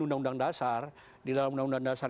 undang undang dasar di dalam undang undang dasar